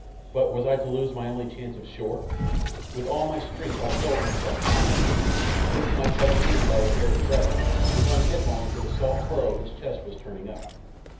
But was I to lose my only chance of shore? With all my strength I hurled myself upon him, missing my clutch again by a hair's breadth and going headlong into the salt furrow his chest was turning up.